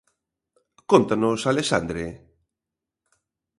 Cóntanos, Alexandre...